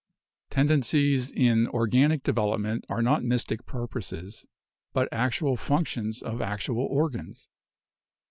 "Tendencies in organic development are not mystic pur poses, but actual functions of actual organs.